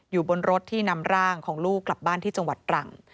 อยู่บนรถที่นำร่างของลูกกลับบ้านที่จังหวัดตรัง